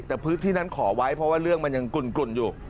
แต่พื้นที่นั้นขอไว้เพราะว่าเรื่องมันยังกลุ่นอยู่